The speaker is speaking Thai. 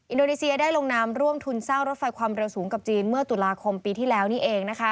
อินโดนีเซียได้ลงนามร่วมทุนสร้างรถไฟความเร็วสูงกับจีนเมื่อตุลาคมปีที่แล้วนี่เอง